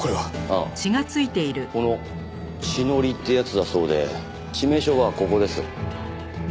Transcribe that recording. ああこの血のりってやつだそうで致命傷はここです。